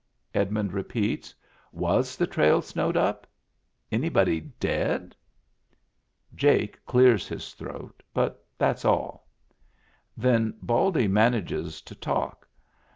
Edmund repeats. "Was the traU snowed up ? Anybody dead ?" Jake clears his throat, but that's all. Then Baldy manages to talk.